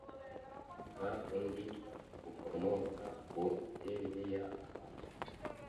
bw undi bukomoka ku miterere y ahantu